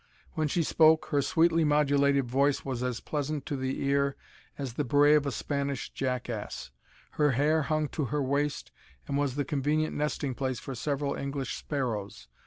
When she spoke, her sweetly modulated voice was as pleasant to the ear as the bray of a Spanish jackass. Her hair hung to her waist and was the convenient nesting place for several English sparrows.